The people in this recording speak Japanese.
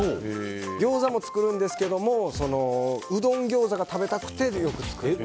ギョーザも作るんですけどもうどんギョーザが食べたくてよく作ります。